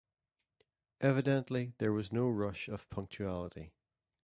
Evidently there was no rush of punctuality.